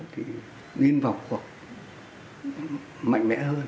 thì nguyên vọng của mạnh mẽ hơn